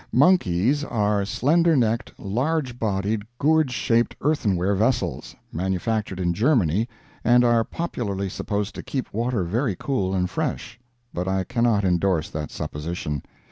"Monkeys" are slender necked, large bodied, gourd shaped earthenware vessels, manufactured in Germany and are popularly supposed to keep water very cool and fresh, but I cannot indorse that supposition.